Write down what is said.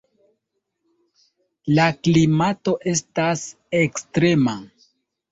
La klimato estas ekstrema.